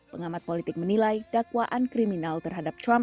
pengamat politik menilai dakwaan kriminal terhadap trump